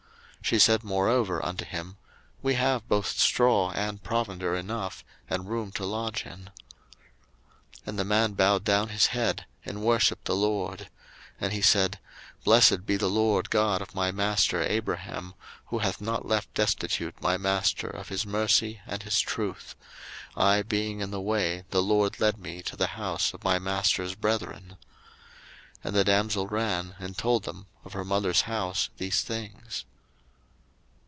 01:024:025 She said moreover unto him, We have both straw and provender enough, and room to lodge in. 01:024:026 And the man bowed down his head, and worshipped the LORD. 01:024:027 And he said, Blessed be the LORD God of my master Abraham, who hath not left destitute my master of his mercy and his truth: I being in the way, the LORD led me to the house of my master's brethren. 01:024:028 And the damsel ran, and told them of her mother's house these things.